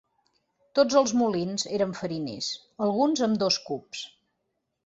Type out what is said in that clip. Tots els molins eren fariners, alguns amb dos cups.